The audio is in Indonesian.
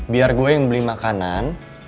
biar gue yang beli makanan